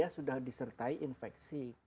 sudah disertai infeksi